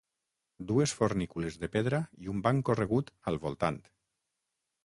Dues fornícules de pedra i un banc corregut al voltant.